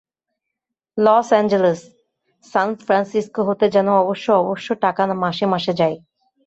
Loss Angeles, San Francisco হতে যেন অবশ্য অবশ্য টাকা মাসে মাসে যায়।